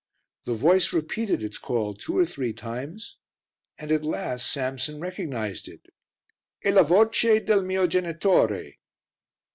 The voice repeated its call two or three times and at last Samson recognized it. "E la voce del mio genitore."